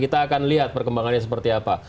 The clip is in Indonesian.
kita akan lihat perkembangannya seperti apa